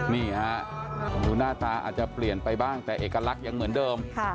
นี่ฮะดูหน้าตาอาจจะเปลี่ยนไปบ้างแต่เอกลักษณ์ยังเหมือนเดิม